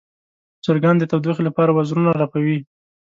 چرګان د تودوخې لپاره وزرونه رپوي.